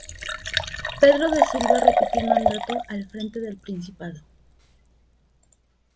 Pedro de Silva repitió mandato al frente del Principado.